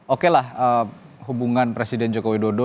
oke lah hubungan presiden jokowi dodo